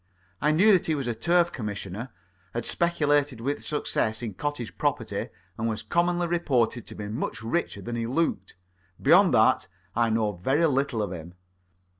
I knew that he was a turf commissioner, had speculated with success in cottage property, and was commonly reported to be much richer than he looked. Beyond that, I know very little of him.